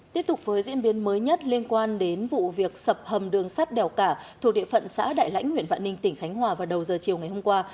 tiếp tục với diễn biến mới nhất liên quan đến vụ việc sập hầm đường sắt đèo cả thuộc địa phận xã đại lãnh huyện vạn ninh tỉnh khánh hòa vào đầu giờ chiều ngày hôm qua